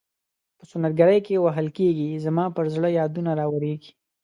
په سنت ګرۍ کې وهل کیږي زما پر زړه یادونه راوریږي.